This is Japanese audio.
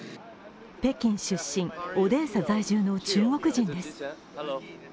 北京出身、オデーサ在住の中国人です。